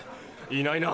いないな。